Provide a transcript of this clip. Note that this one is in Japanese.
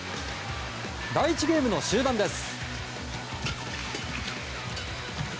第１ゲームの終盤です。